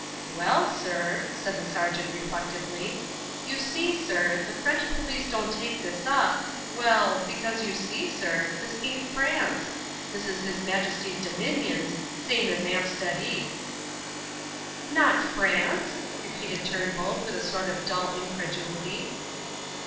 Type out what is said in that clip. "Well, sir," said the sergeant reflectively, "you see, sir, the French police don't take this up well, because you see, sir, this ain't France. This is His Majesty's dominions, same as 'Ampstead 'eath." "Not France?" repeated Turnbull, with a sort of dull incredulity.